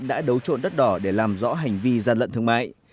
đã đấu trộn đất đỏ để làm rõ hành vi gian lận thương mại